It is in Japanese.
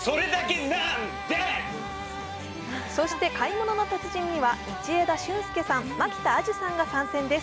そして「買い物の達人」には道枝駿佑さん蒔田彩珠さんが参戦です。